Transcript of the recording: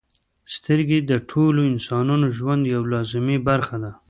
• سترګې د ټولو انسانانو ژوند یوه لازمي برخه ده.